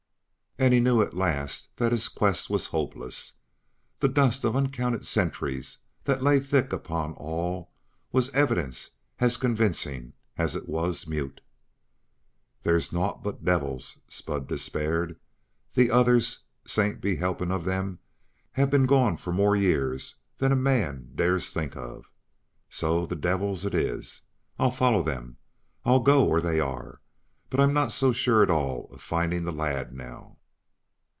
And he knew at last that his quest was hopeless. The dust of uncounted centuries that lay thickly upon all was evidence as convincing as it was mute. "There's naught but the devils!" Spud despaired. "The others saints be helpin' of them! have been gone for more years than a man dares think of. So, the devils it is; I'll follow them I'll go where they are. But I'm not so sure at all of findin' the lad now."